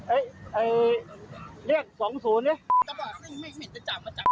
เออแก่งรถเบี้ยอ้วนคุณคุยอยู่อย่างเนี้ยไม่จับใครว่าทัน